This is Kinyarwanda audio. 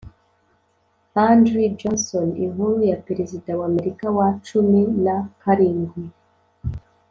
andrew johnson: inkuru ya perezida wa amerika wa cumi na karindwi